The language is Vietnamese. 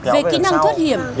về kỹ năng thoát hiểm